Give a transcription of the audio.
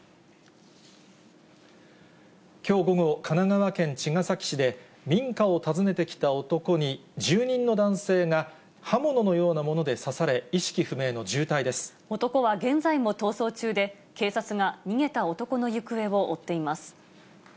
きょう午後、神奈川県茅ヶ崎市で、民家を訪ねてきた男に、住人の男性が刃物のようなもので刺され、男は現在も逃走中で、警察が逃げた男の行方を追っています。